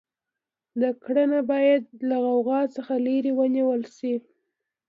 دا کړنه باید له غوغا څخه لرې ونیول شي.